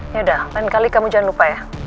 yaudah lain kali kamu jangan lupa ya